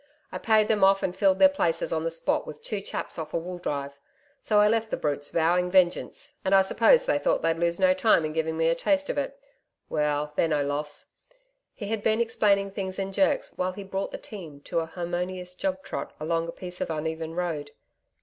I paid them off and filled their places on the spot with two chaps off a wool drive.... So I left the brutes vowing vengeance, and I suppose they thought they'd lose no time in giving me a taste of it.... Well, they're no loss.' He had been explaining things in jerks while he brought the team to an harmonious jog trot along a piece of uneven road.